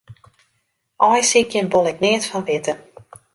Aaisykjen wol ik neat fan witte.